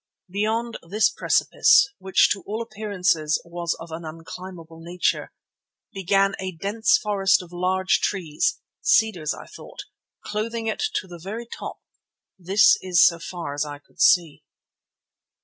Beyond this precipice, which to all appearance was of an unclimbable nature, began a dense forest of large trees, cedars I thought, clothing it to the very top, that is so far as I could see.